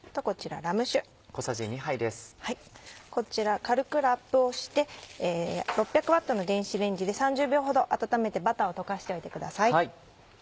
こちら軽くラップをして６００Ｗの電子レンジで３０秒ほど温めてバターを溶かしておいてください。